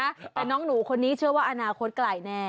แต่น้องหนูคนนี้เชื่อว่าอนาคตไกลแน่